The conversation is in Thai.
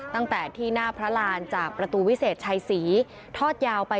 ตั้งแต่ที่หน้าพระรานจากประตูวิเศษชัยศรีทอดยาวไป